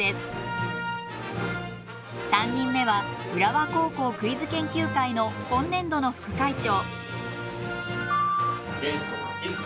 ３人目は浦和高校クイズ研究会の今年度の副会長。